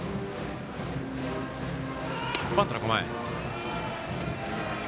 バントの構え。